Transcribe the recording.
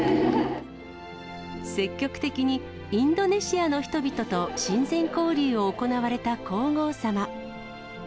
積極的にインドネシアの人々と親善交流を行われた皇后さま。